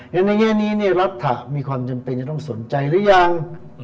ในแง่นี้รัฐมีความจำเป็นจะต้องสนใจหรือยัง